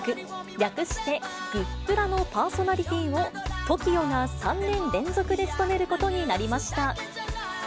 略してグップラのパーソナリティーを、ＴＯＫＩＯが３年連続で務めることになりました。